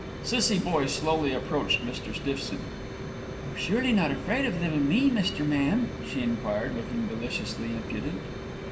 Cissie Boye slowly approached Mr. Stiffson. "You're surely not afraid of little me, Mr. Man?" she enquired, looking deliciously impudent.